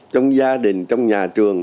trong gia đình trong nhà trường